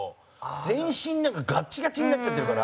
全身、なんか、ガッチガチになっちゃってるから。